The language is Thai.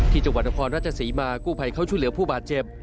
จังหวัดนครราชศรีมากู้ภัยเข้าช่วยเหลือผู้บาดเจ็บ